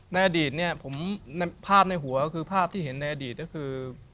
ในอดีตเนี่ยผมภาพในหัวก็คือภาพที่เห็นในอดีตก็คือ